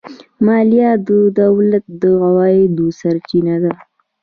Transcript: مالیه د دولت د عوایدو سرچینه ده.